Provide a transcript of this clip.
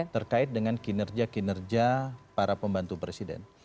terkait dengan kinerja kinerja para pembantu presiden